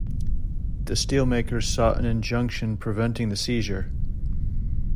The steelmakers sought an injunction preventing the seizure.